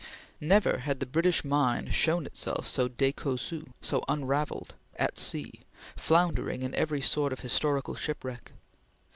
Never had the British mind shown itself so decousu so unravelled, at sea, floundering in every sort of historical shipwreck.